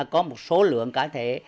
có một số lượng cá thể